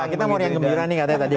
kita mau riang gembira nih katanya tadi